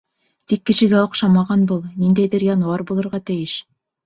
Тик кешегә оҡшамаған был, ниндәйҙер януар булырға тейеш.